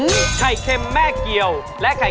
เอาอีกนะ